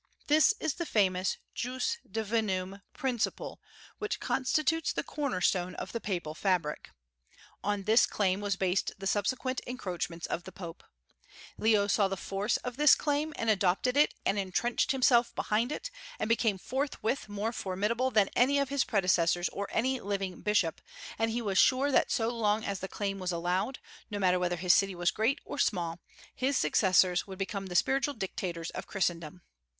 This is the famous jus divinum principle which constitutes the corner stone of the papal fabric. On this claim was based the subsequent encroachments of the popes. Leo saw the force of this claim, and adopted it and intrenched himself behind it, and became forthwith more formidable than any of his predecessors or any living bishop; and he was sure that so long as the claim was allowed, no matter whether his city was great or small, his successors would become the spiritual dictators of Christendom.